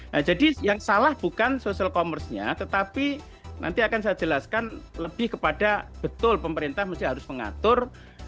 nah jadi yang salah bukan social commerce nya tetapi nanti akan saya jelaskan lebih kepada betul pemerintah harus mengatur